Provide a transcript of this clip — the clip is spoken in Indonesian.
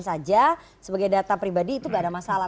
saja sebagai data pribadi itu nggak ada masalah